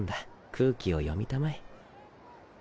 空気を読みたまえ。